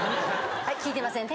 はい聞いてませんね。